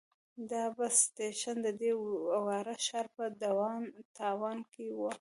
دا بس سټیشن د دې واړه ښار په ډاون ټاون کې دی.